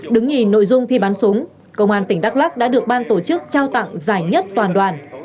đứng nhì nội dung thi bắn súng công an tỉnh đắk lắc đã được ban tổ chức trao tặng giải nhất toàn đoàn